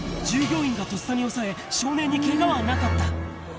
従業員がとっさに押さえ、少年にけがはなかった。